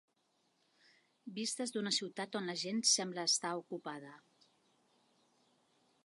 Vistes d'una ciutat on la gent sembla estar ocupada.